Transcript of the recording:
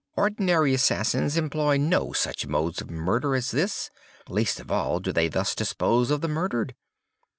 Ordinary assassins employ no such modes of murder as this. Least of all, do they thus dispose of the murdered.